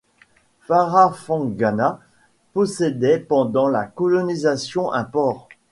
Farafangana possédait pendant la colonisation un port.